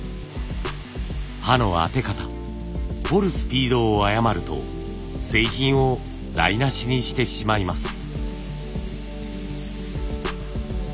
刃の当て方彫るスピードを誤ると製品を台なしにしてしまいます。